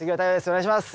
お願いします。